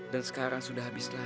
dan sekarang sudah habis lagi